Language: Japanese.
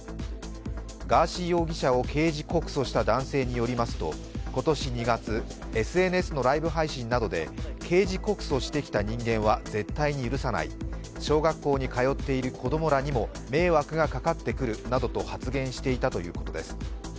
ガーシー容疑者を刑事告訴した男性によりますと今年２月、ＳＮＳのライブ配信などで刑事告訴してきた人間は絶対に許さない、小学校に通っている子供らにも迷惑がかかってくるなどと発言していたということです。